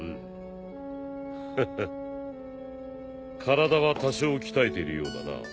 体は多少鍛えているようだな。